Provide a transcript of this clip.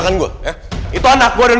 pas itu tak clauses